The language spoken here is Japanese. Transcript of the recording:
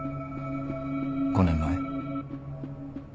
５年前。